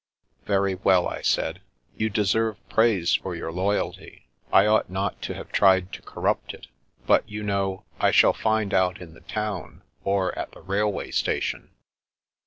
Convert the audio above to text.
" Very well/' I said. " You deserve praise for your loyalty. I ought not to have tried to corrupt it. But, you know, I shall find out in the town, or at the railway station."